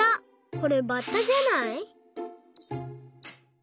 これバッタじゃない？